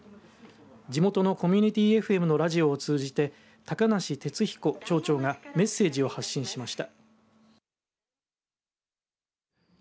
地元のコミュニティーＦＭのラジオを通じて高梨哲彦町長がメッセージを発信しました。